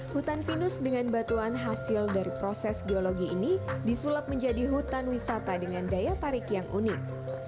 hutan pinus dengan batuan hasil dari proses geologi ini disulap menjadi hutan wisata dengan daya tarik yang unik